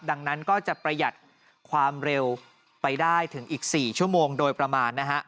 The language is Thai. ดังนั้นก็จะประหยัดความเร็วไปได้ถึงอีก๔ชั่วโมงโดยประมาณนะฮะ